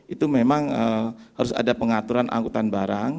itu memang harus ada pengaturan angkutan barang